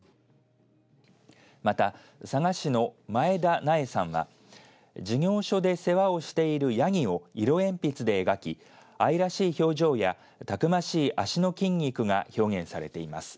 また佐賀市の前田捺江さんは事業所で世話をしているやぎを色鉛筆で描き愛らしい表情やたくましい足の筋肉が表現されています。